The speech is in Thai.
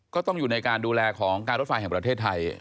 ก็ต้องอยู่ในการดูแลของการรถไฟแห่งประเทศไทย